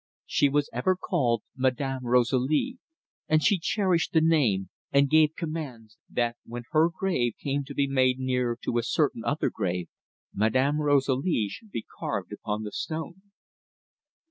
She was ever called "Madame Rosalie," and she cherished the name, and gave commands that when her grave came to be made near to a certain other grave, Madame Rosalie should be carved upon the stone.